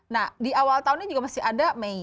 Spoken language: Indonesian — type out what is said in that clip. nah di awal tahunnya juga masih ada mei